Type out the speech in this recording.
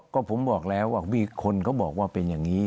ก็ผมบอกแล้วว่ามีคนเขาบอกว่าเป็นอย่างนี้